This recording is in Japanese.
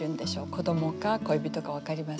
子どもか恋人か分かりません。